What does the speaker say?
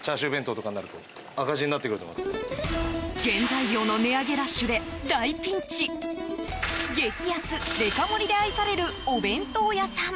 原材料の値上げラッシュで大ピンチ激安・デカ盛りで愛されるお弁当屋さん。